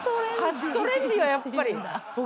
初トレンディーはやっぱり。